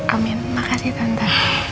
amin makasih tante